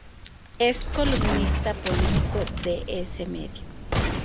Es columnista político de ese medio.